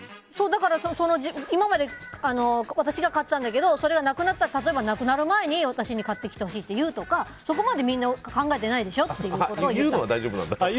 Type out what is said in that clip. だから、今まで私が買ってたんだけどそれはなくなったら例えばなくなるまえに私に買ってきてほしいって言うとかそこまでみんな考えてないでしょってことを言うのは大丈夫なんだ。